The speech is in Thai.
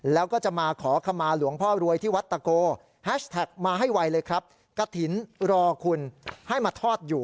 แล้วก็จะมาขอขมาหลวงพ่อรวยที่วัดตะโกแฮชแท็กมาให้ไวเลยครับกระถิ่นรอคุณให้มาทอดอยู่